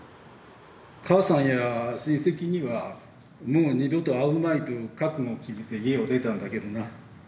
母さんや親戚にはもう二度と会うまいと覚悟を決めて家を出たんだけどな。